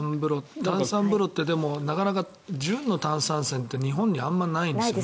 炭酸風呂ってなかなか純の炭酸泉って日本にあまりないですよね。